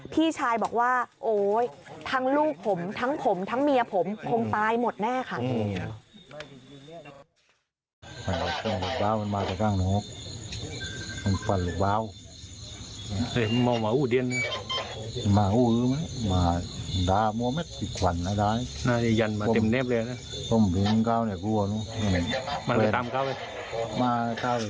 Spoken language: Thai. พี่ชายบอกว่าโอ๊ยทั้งลูกผมทั้งผมทั้งเมียผมคงตายหมดแน่ค่ะ